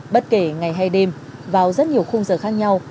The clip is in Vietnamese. bất kể ngày hay đêm vào rất nhiều khung giờ khác nhau